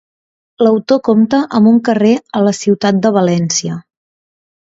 L'autor compta amb un carrer a la ciutat de València.